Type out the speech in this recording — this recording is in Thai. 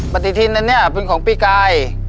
ปฏิทินอันนี้เป็นของปีกาย